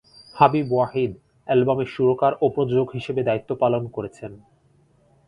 হাবিব ওয়াহিদ অ্যালবামে সুরকার ও প্রযোজক হিসাবে দায়িত্ব পালন করেছেন।